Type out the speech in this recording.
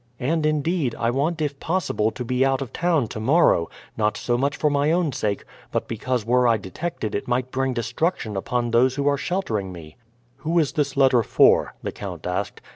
And, indeed, I want if possible to be out of town tomorrow; not so much for my own sake, but because were I detected it might bring destruction upon those who are sheltering me." "Who is this letter for?" the count asked.